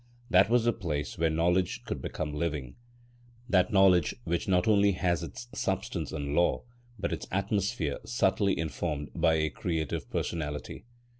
That was the place where knowledge could become living—that knowledge which not only has its substance and law, but its atmosphere subtly informed by a creative personality.